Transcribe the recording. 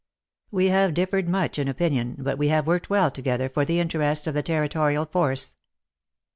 We have differed much in opinion, but we have worked well together for the interests of the Territorial Force.